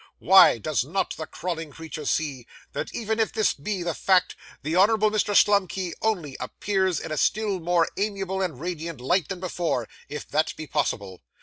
Why, does not the crawling creature see, that even if this be the fact, the Honourable Mr. Slumkey only appears in a still more amiable and radiant light than before, if that be possible?